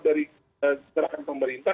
dari gerakan pemerintah